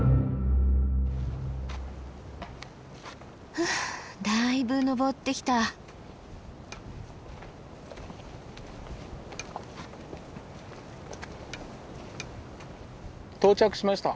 ふうだいぶ登ってきた。到着しました。